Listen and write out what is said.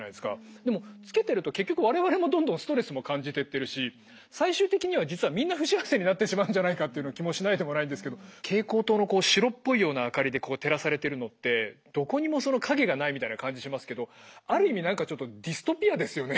でもつけてると結局我々もどんどんストレスも感じてってるし最終的には実はみんな不幸せになってしまうんじゃないかっていう気もしないでもないんですけど蛍光灯の白っぽいような明かりで照らされてるのってある意味何かちょっとディストピアですよね。